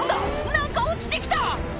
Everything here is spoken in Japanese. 何か落ちて来た！」